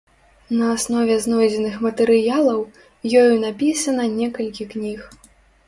На аснове знойдзеных матэрыялаў, ёю напісана некалькі кніг.